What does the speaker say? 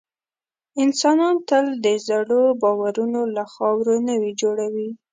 انسانان تل د زړو باورونو له خاورو نوي جوړوي.